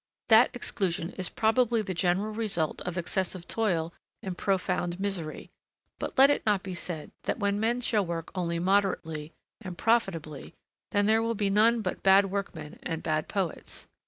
That exclusion is probably the general result of excessive toil and profound misery; but let it not be said that when man shall work only moderately and profitably, then there will be none but bad workmen and bad poets.